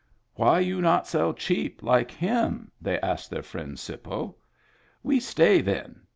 "Why you not sell cheap like him?" they asked their friend "Sippo." "We stay then.